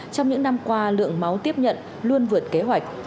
trong những năm qua lượng máu tiếp nhận luôn vượt kế hoạch